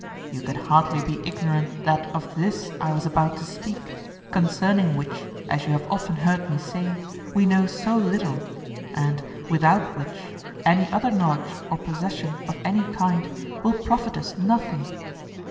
You can hardly be ignorant that of this I was about to speak, concerning which, as you have often heard me say, we know so little; and, without which, any other knowledge or possession of any kind will profit us nothing.